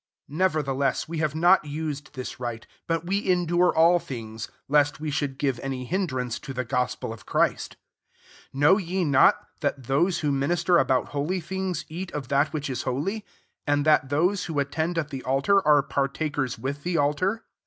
Neverthe ess» we have not used this right ; but we endure all things, est we should give any hind ^uace to the gospel of Christ* 13 Know ye not, that those who ninister about holy things eat >f that which is holy ? and that iiose who attend at the altar, ire partakers with the altar?